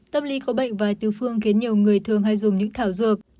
tâm lý có bệnh vài tứ phương khiến nhiều người thường hay dùng những thảo dược